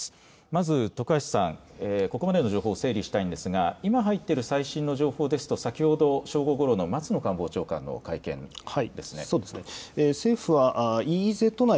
まず徳橋さん、ここまでの情報を整理したいんですが、今入っている最新の情報ですと、先ほど正午ごろの松野官房長官の会見ですね。